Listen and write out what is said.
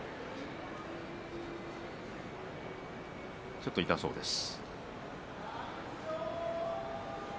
ちょっと痛そうです。